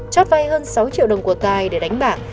chót vay hơn sáu triệu đồng của tài để đánh bạc